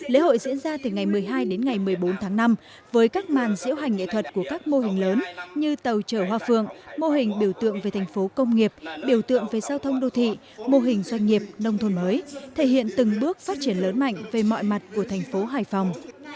lễ hội diễn ra từ ngày một mươi hai đến ngày một mươi bốn tháng năm với các màn diễu hành nghệ thuật của các mô hình lớn như tàu trở hoa phượng mô hình biểu tượng về thành phố công nghiệp biểu tượng về giao thông đô thị mô hình doanh nghiệp nông thôn mới thể hiện từng bước phát triển lớn mạnh về mọi mặt của thành phố hải phòng